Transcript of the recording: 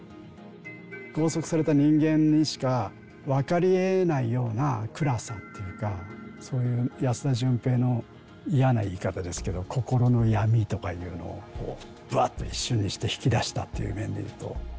拘束された人間にしか分かりえないような暗さっていうかそういう安田純平の嫌な言い方ですけど心の闇とかいうのをぶわっと一瞬にして引き出したっていう面で言うと。